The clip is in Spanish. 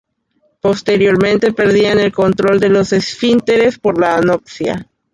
Posteriormente perdían el control de los esfínteres por la anoxia.